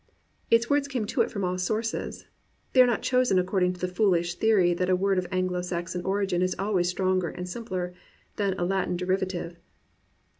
Its words come to it from all sources; they are not chosen according to the foolish theory that a word of Anglo Saxon origin is always stronger and simpler than a Latin derivative.